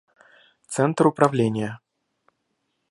Центр управления